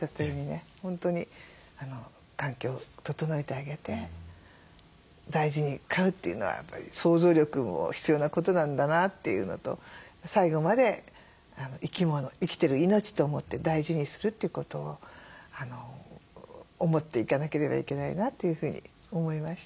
本当に環境を整えてあげて大事に飼うというのは想像力も必要なことなんだなっていうのと最後まで生き物生きてる命と思って大事にするということを思っていかなければいけないなというふうに思いました。